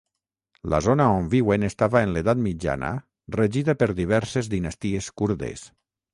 La zona on viuen estava en l'edat mitjana regida per diverses dinasties kurdes.